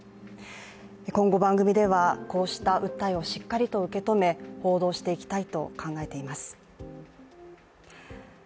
今後番組では、こうした訴えをしっかりと受け止め報道していきたいと考えています。